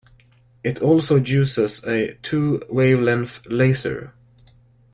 It also uses a two-wavelength laser.